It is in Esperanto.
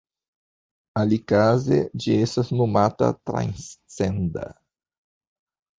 Alikaze, ĝi estas nomata "transcenda".